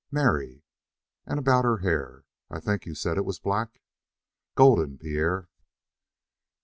"Mary." "And about her hair I think you said it was black?" "Golden, Pierre."